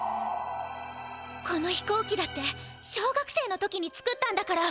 この飛行機だって小学生の時につくったんだから。